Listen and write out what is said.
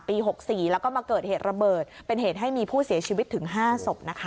๖๔แล้วก็มาเกิดเหตุระเบิดเป็นเหตุให้มีผู้เสียชีวิตถึง๕ศพนะคะ